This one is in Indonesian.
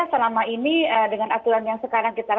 selama ini dengan aturan yang sekarang kita